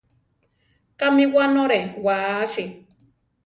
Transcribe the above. ¿Kámi wánore wasi?